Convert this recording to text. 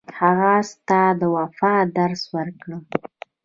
هغه اس ته د وفا درس ورکړ.